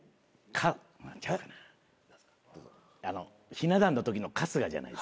ひな壇のときの春日じゃないですか？